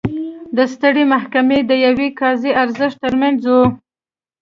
د سترې محکمې د یوه قاضي ارزښت ترمنځ و.